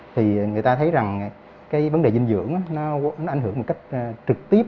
thì người ta thấy rằng cái vấn đề dinh dưỡng nó ảnh hưởng một cách trực tiếp